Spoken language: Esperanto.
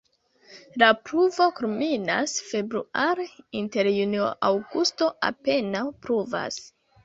La pluvo kulminas februare, inter junio-aŭgusto apenaŭ pluvas.